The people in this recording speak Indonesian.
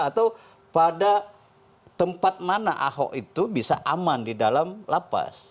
atau pada tempat mana ahok itu bisa aman di dalam lapas